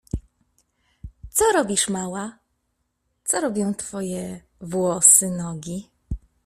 — Co robisz, mała? Co robią twoje włosy, nogi.